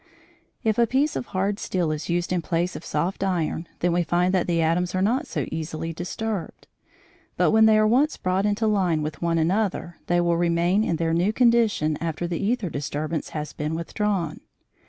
If a piece of hard steel is used in place of soft iron, then we find that the atoms are not so easily disturbed, but when they are once brought into line with one another, they will remain in their new condition after the æther disturbance has been withdrawn.